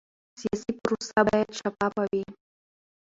سیاسي پروسه باید شفافه وي